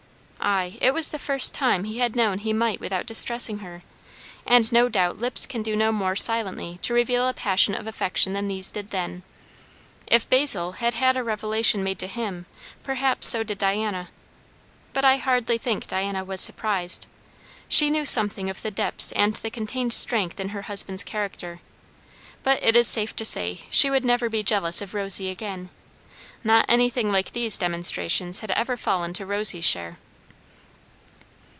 Ay, it was the first time he had known he might without distressing her; and no doubt lips can do no more silently to reveal a passion of affection than these did then. If Basil had had a revelation made to him, perhaps so did Diana; but I hardly think Diana was surprised. She knew something of the depths and the contained strength in her husband's character; but it is safe to say, she would never be jealous of Rosy again! Not anything like these demonstrations had ever fallen to Rosy's share.